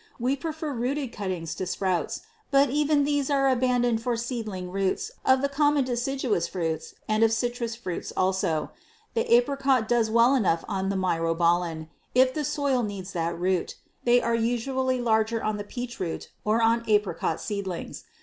We prefer rooted cuttings to sprouts, but even these are abandoned for seedling roots of the common deciduous fruits and of citrus fruits also. The apricot does well enough on the myrobalan if the soil needs that root; they are usually larger on the peach root or on apricot seedlings.